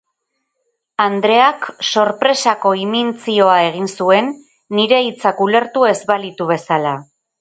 Andreak sorpresako imintzioa egin zuen, nire hitzak ulertu ez balitu bezala.